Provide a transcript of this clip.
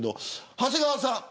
長谷川さん。